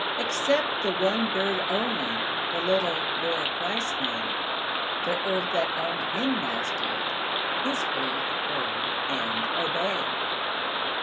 Except the one bird only The little Lord Christ made; The earth that owned Him Master, His earth heard and obeyed.